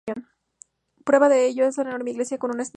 Prueba de ello es la enorme iglesia con una esbelta torre.